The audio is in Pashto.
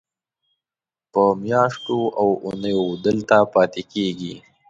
په میاشتو او اوونیو دلته پاتې کېږي.